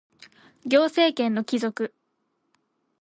行政権の帰属